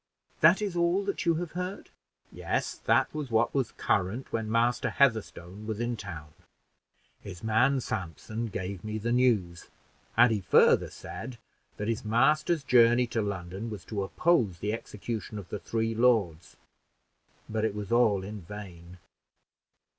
"That is all that you have heard?" "Yes; that was what was current when Master Heatherstone, was in town. His man, Samson, gave me the news; and he further said, 'that his master's journey to London was to oppose the execution of the three lords; but it was all in vain.'"